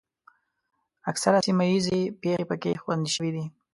اکثره سیمه ییزې پېښې پکې خوندي شوې دي.